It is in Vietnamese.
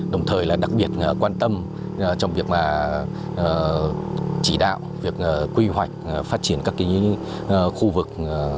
đồng thời đặc biệt quan tâm trong việc chỉ đạo việc quy hoạch phát triển các khu vực